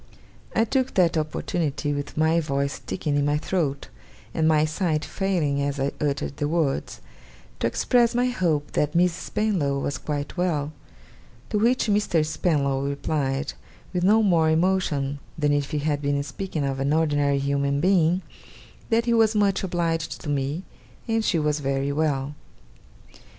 I took that opportunity, with my voice sticking in my throat, and my sight failing as I uttered the words, to express my hope that Miss Spenlow was quite well; to which Mr. Spenlow replied, with no more emotion than if he had been speaking of an ordinary human being, that he was much obliged to me, and she was very well.